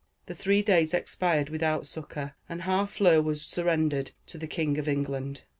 The three days expired without succor, and Harfleur was surrendered to the King of England.